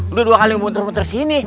udah dua kali untur untur sini